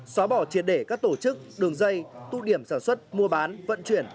xóa bỏ triệt để các tổ chức đường dây tụ điểm sản xuất mua bán vận chuyển